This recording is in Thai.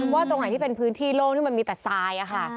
ว่าตรงไหนที่เป็นพื้นที่โล่งที่มันมีแต่ทรายค่ะ